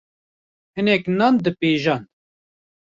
hinek nan dipêjand